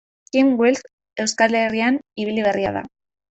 Kim Wright Euskal Herrian ibili berri da.